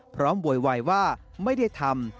พร้อมโวยวายว่าไม่ได้ทำ